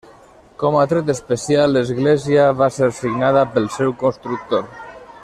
Com a tret especial, l'església va ser signada pel seu constructor.